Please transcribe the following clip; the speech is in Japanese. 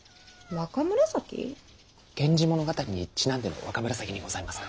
源氏物語にちなんでの若紫にございますか？